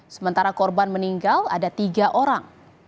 sementara korban meninggal ada tiga orang